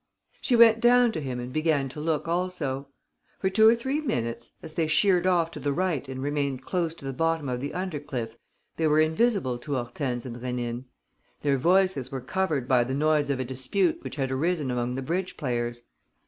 She went down to him and began to look also. For two or three minutes, as they sheered off to the right and remained close to the bottom of the under cliff, they were invisible to Hortense and Rénine. Their voices were covered by the noise of a dispute which had arisen among the bridge players.